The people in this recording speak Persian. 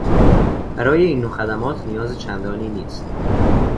برای این نوع خدمات نیاز چندانی نیست.